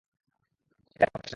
চিন্তা করিস নারে, ব্যাটা!